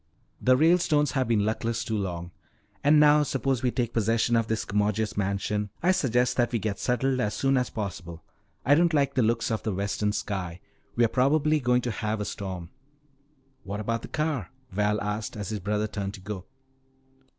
"The Ralestones have been luckless too long. And now suppose we take possession of this commodious mansion. I suggest that we get settled as soon as possible. I don't like the looks of the western sky. We're probably going to have a storm." "What about the car?" Val asked as his brother turned to go.